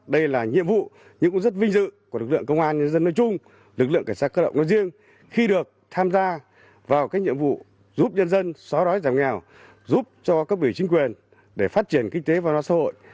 đây là nhiệm vụ nhưng cũng rất vinh dự của lực lượng công an nhân dân nói chung lực lượng cảnh sát cơ động nói riêng khi được tham gia vào các nhiệm vụ giúp nhân dân xóa đói giảm nghèo giúp cho các vị chính quyền để phát triển kinh tế văn hóa xã hội